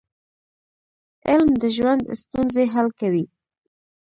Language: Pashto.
علم د ژوند ستونزې حل کوي.